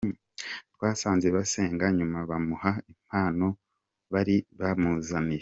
Twasanze basenga, nyuma bamuha impano bari bamuzaniye.